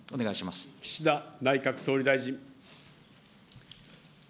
岸田内閣総理大臣。